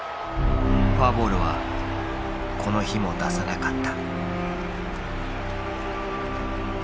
フォアボールはこの日も出さなかった。